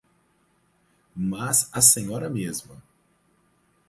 Mas a senhora mesma...